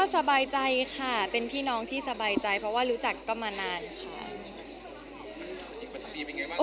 สบายใจค่ะเป็นพี่น้องที่สบายใจเพราะว่ารู้จักก็มานานค่ะ